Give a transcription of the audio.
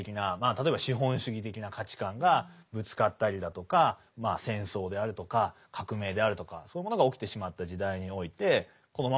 例えば資本主義的な価値観がぶつかったりだとかまあ戦争であるとか革命であるとかそういうものが起きてしまった時代においてこのままではいけないと。